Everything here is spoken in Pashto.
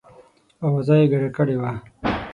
آوازه یې ګډه کړې وه.